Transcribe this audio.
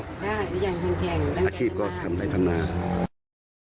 ค่ะขยันแข็งขันแข็งมาก